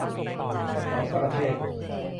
หวังประเทศ